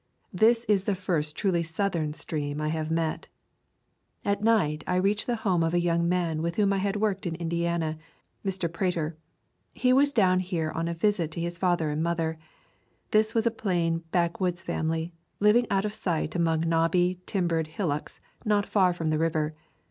This is the first truly southern stream I have met. At night I reached the home of a young man with whom IJ had worked in Indiana, Mr. Prater. He was down here on a visit to his father and mother. This was a plain back woods family, living out of sight among knobby timbered hillocks not far from the river.